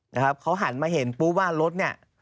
นะครับเขาหันมาเห็นปุ๊บว่ารถเนี่ย